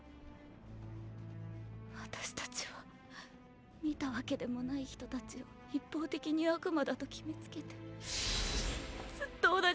私たちは見たわけでもない人たちを一方的に悪魔だと決めつけて。